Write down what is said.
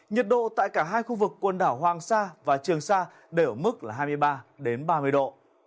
nhiệt độ tại cả hai khu vực quần đảo hoàng sa và trường sa đều ở mức là hai mươi ba ba mươi độ